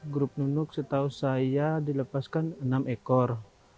grup nunuk setahu saya dilepaskan enam ekor